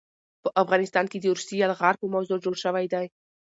په افغانستان د روسي يلغار په موضوع جوړ شوے دے